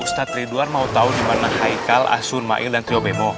ustaz ridwan mau tahu di mana haikal asun mail dan triobemo